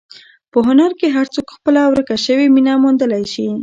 په هنر کې هر څوک خپله ورکه شوې مینه موندلی شي.